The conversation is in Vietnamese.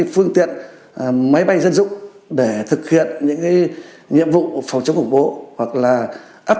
phương tiện máy bay dân dụng để thực hiện những nhiệm vụ phòng chống khủng bố hoặc là áp